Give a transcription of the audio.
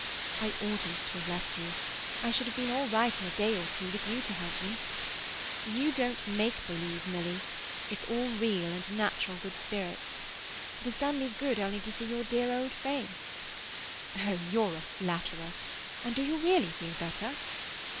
I oughtn't to have left you; I should have been all right in a day or two, with you to help me. You don't make believe, Milly; it's all real and natural good spirits. It has done me good only to see your dear old face." "Oh, you're a flatterer. And do you really feel better?"